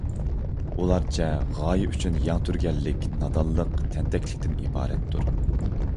ئۇلارچە غايە ئۈچۈن يەڭ تۈرگەنلىك نادانلىق، تەنتەكلىكتىن ئىبارەتتۇر.